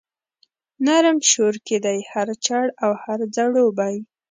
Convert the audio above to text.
نرم شور کښي دی هر چړ او هر ځړوبی